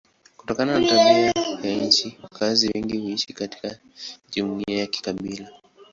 Kutokana na tabia ya nchi wakazi wengi huishi katika jumuiya za kikabila.